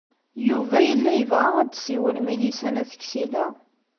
Yuba yella yebɣa ad d-tessiwel Milisa n At Ksila.